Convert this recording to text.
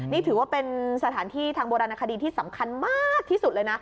นี่ถือว่าเป็นสถานที่ทางโบราณคดีที่สำคัญมากที่สุดเลยนะ